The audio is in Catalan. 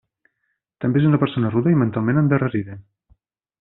També és una persona rude i mentalment endarrerida.